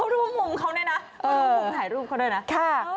ดูมุมถ่ายรูปเค้าด้วยน่ะ